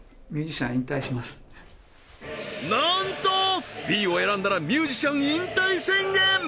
なんとＢを選んだらミュージシャン引退宣言